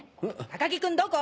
高木君どこ？